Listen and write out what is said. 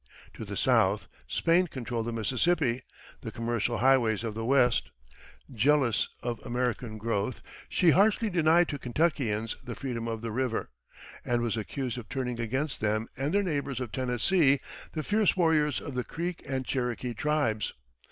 To the South, Spain controlled the Mississippi, the commercial highway of the West; jealous of American growth, she harshly denied to Kentuckians the freedom of the river, and was accused of turning against them and their neighbors of Tennessee the fierce warriors of the Creek and Cherokee tribes.